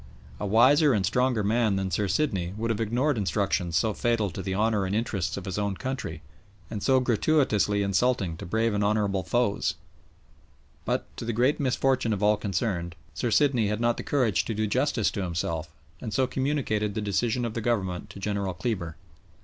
A wiser and stronger man than Sir Sidney would have ignored instructions so fatal to the honour and interests of his own country, and so gratuitously insulting to brave and honourable foes; but, to the great misfortune of all concerned, Sir Sidney had not the courage to do justice to himself, and so communicated the decision of the Government to General Kleber.